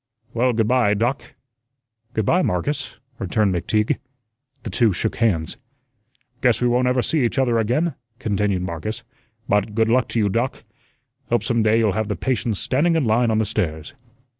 "Well, good by, Doc." "Good by, Marcus," returned McTeague. The two shook hands. "Guess we won't ever see each other again," continued Marcus. "But good luck to you, Doc. Hope some day you'll have the patients standing in line on the stairs."